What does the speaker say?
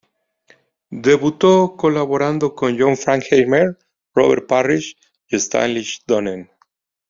Debutó colaborando con John Frankenheimer, Robert Parrish y Stanley Donen.